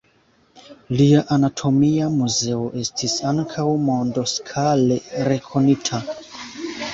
Lia anatomia muzeo estis ankaŭ mondskale rekonita.